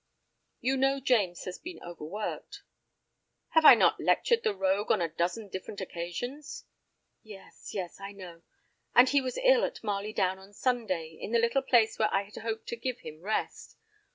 "You know James has been overworked." "Have I not lectured the rogue on a dozen different occasions?" "Yes, yes, I know; and he was ill at Marley Down on Sunday, in the little place where I had hoped to give him rest.